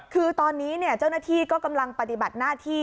คือตอนนี้เจ้าหน้าที่ก็กำลังปฏิบัติหน้าที่